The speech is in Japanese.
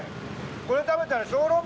これ食べたら。